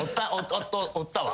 おったわ。